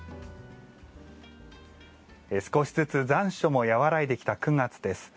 少しずつ残暑も和らいできた９月です。